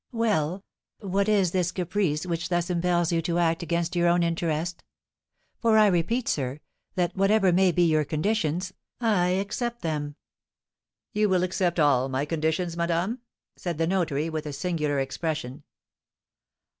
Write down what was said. "Well, what is this caprice which thus impels you to act against your own interest? For I repeat, sir, that whatever may be your conditions, I accept them." "You will accept all my conditions, madame?" said the notary, with a singular expression.